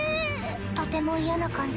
とても嫌な感じ。